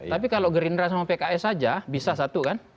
tapi kalau gerindra sama pks saja bisa satu kan